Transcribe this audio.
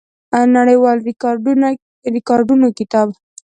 نړیوالو ریکارډونو کتاب